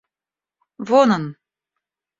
Вон он!